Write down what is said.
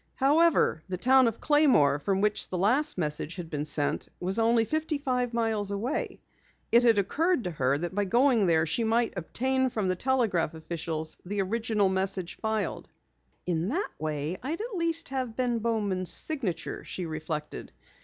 However, the town of Claymore, from which the last message had been sent, was only fifty five miles away. It had occurred to her that by going there she might obtain from telegraph officials the original message filed. "In that way I'd at least have Ben Bowman's signature," she reflected.